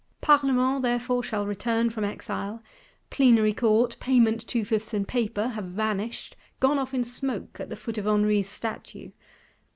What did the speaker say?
Parlements therefore shall return from exile: Plenary Court, Payment two fifths in Paper have vanished; gone off in smoke, at the foot of Henri's Statue.